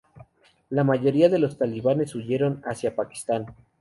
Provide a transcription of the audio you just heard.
La mayoría de los talibanes huyeron hacia Pakistán.